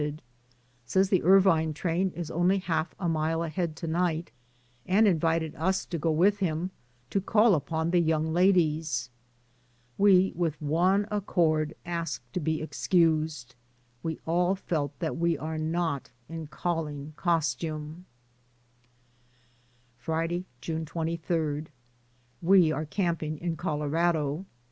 DAYS ON THE ROAD. 105 Says the Irvine train is only half a mile ahead to night, and invited us to go v^ith him to call upon the young ladies. We, w^ith one accord, asked to be excused. We all felt that we are not in calling costume. Friday, June 2^. We are camping in Colorado.